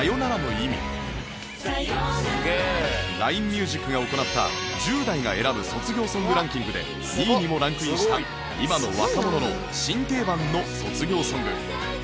ＬＩＮＥＭＵＳＩＣ が行った１０代が選ぶ卒業ソングランキングで２位にもランクインした今の若者の新定番の卒業ソング